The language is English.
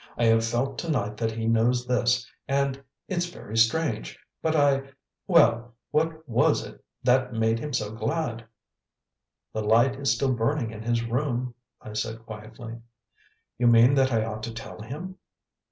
I have felt to night that he knows this, and it's very strange, but I well, what WAS it that made him so glad?" "The light is still burning in his room," I said quietly. "You mean that I ought to tell him?"